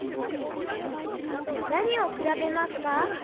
なにをくらべますか？